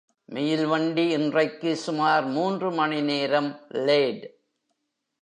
Mail வண்டி இன்றைக்கு சுமார் மூன்று மணி நேரம் லேட்.